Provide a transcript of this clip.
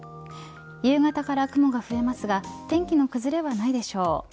夕方から雲が増えますが天気の崩れはないでしょう。